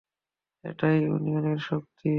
এটাই ইউনিয়নের শক্তি।